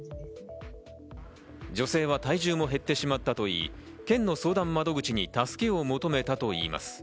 女性は体重も減ってしまったといい、県の相談窓口に助けを求めたといいます。